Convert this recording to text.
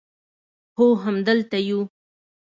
هو همدلته یو